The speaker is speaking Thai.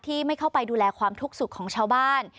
ไม่เข้าไปดูแลความทุกข์สุขของชาวบ้าน